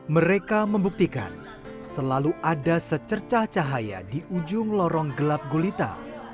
mereka membuktikan selalu ada secercah cahaya di ujung lorong gelap gulita